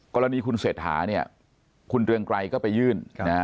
กรณีคุณเสร็จหาคุณเรืองไกรก็ไปยื่น